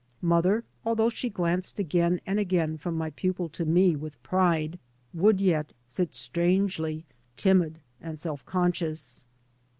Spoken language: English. Mother, although she glanced again and again from my pupil to me with pride, would yet sit strangely timid and self conscious.